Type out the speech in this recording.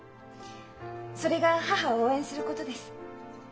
それが母を応援することです。